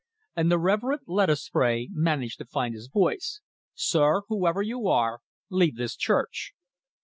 And the Reverend Lettuce Spray managed to find his voice. "Sir, whoever you are, leave this church!"